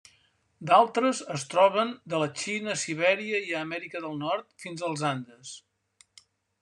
D'altres es troben de la Xina, Sibèria i a l'Amèrica del Nord fins als Andes.